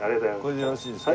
これでよろしいですか？